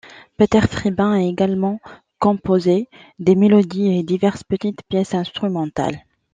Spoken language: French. Peter Fribbins a également composé des mélodies et diverses petites pièces instrumentales.